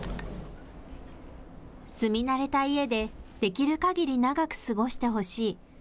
住み慣れた家で、できるかぎり長く過ごしてほしい。